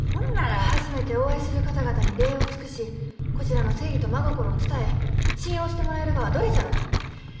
初めてお会いする方々に礼を尽くしこちらの誠意と真心を伝え信用してもらえるがはどれじゃろう？